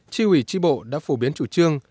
tri ủy tri bộ đã phổ biến chủ trương